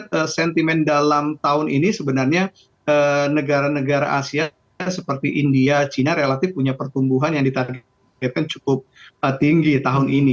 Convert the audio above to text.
jadi kalau kita lihat sentimen dalam tahun ini sebenarnya negara negara asia seperti india china relatif punya pertumbuhan yang ditargetkan cukup tinggi tahun ini